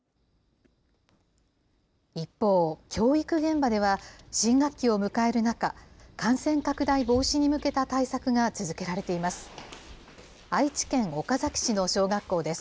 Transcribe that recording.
一方、教育現場では、新学期を迎える中、感染拡大防止に向けた対策が続けられています。